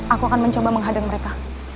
aku akan mencoba menghadang mereka